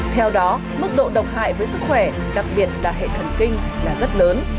theo đó mức độ độc hại với sức khỏe đặc biệt là hệ thần kinh là rất lớn